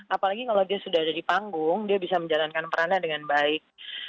apalagi kalau dia sudah ada di panggung dia bisa menjalankan perannya dengan baik